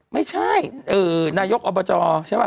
ไม่ใช่นายกอบจใช่ป่